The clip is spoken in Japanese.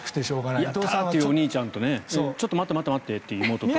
やった！というお兄ちゃんとちょっと待って待ってという妹と。